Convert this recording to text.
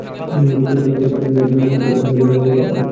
পরে তাঁর দেওয়া তথ্যের ভিত্তিতে জেএমবির আরেক সদস্য আমিনুলকেও আটক করা হয়।